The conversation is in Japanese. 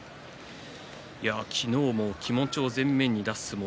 昨日も気持ちを前面に出す相撲。